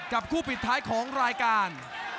คู่ปิดท้ายของรายการ